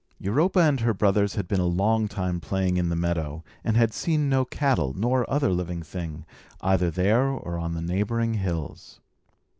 Europa and her brothers had been a long time playing in the meadow, and had seen no cattle, nor other living thing, either there or on the neighbouring hills.